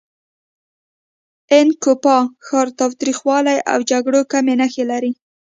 ان کوپان ښار تاوتریخوالي او جګړو کمې نښې لري.